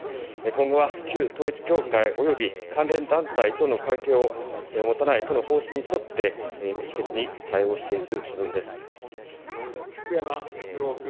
今後は旧統一教会および関連団体との関係を持たないとの方針に沿って、適切に対応していく所存で福山哲郎君。